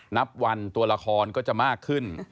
นับวันตัวละครก็จะมากขึ้น